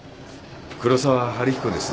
黒沢春彦です。